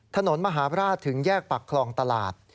ถนนมหาบราชถึงแยกปากคลองตลาด